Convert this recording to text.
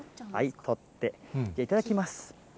取って、いただきます。